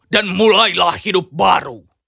dan mulailah hidup baru